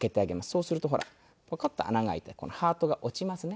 そうするとほらポコッと穴が開いてハートが落ちますね。